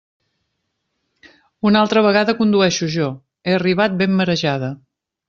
Una altra vegada condueixo jo; he arribat ben marejada.